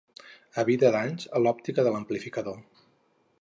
Evita danys a l'òptica de l'amplificador.